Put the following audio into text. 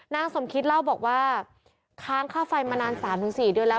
นางสมคิตเล่าบอกว่าค้างค่าไฟมานาน๓๔เดือนแล้ว